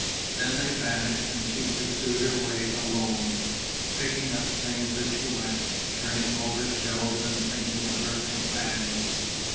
Then they vanished and she pursued her way alone, picking up things as she went, turning over shells and thinking of her companions.